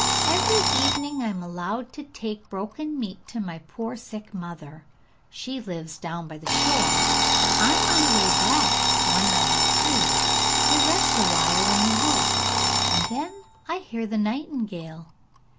Every evening I am allowed to take broken meat to my poor sick mother: she lives down by the shore. On my way back, when I am tired, I rest awhile in the wood, and then I hear the nightingale.